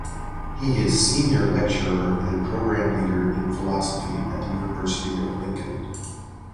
He is Senior Lecturer and Programme Leader in philosophy at the University of Lincoln.